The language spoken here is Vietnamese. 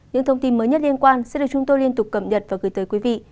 những thông tin mới nhất liên quan sẽ được chúng tôi liên tục cập nhật và gửi tới quý vị